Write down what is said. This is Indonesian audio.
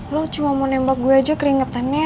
lo cuma mau nembak gue aja keringetannya